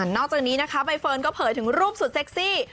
นอกจากนี้นะคะใบเฟิร์นก็เผยถึงรูปสุดเซ็กซี่